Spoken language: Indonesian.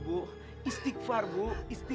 tapi tidak hidup masa yang maklum ini